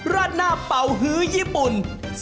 ราดหน้าเป่าฮื้อญี่ปุ่น